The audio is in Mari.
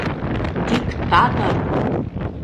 Диктатор!..